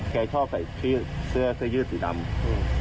แกช่อใกล้ชื่อชื่อซื้อยืดสีดำอือ